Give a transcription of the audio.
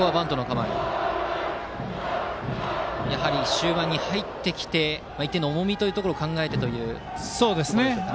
終盤に入ってきて１点の重みを考えてというところでしょうか。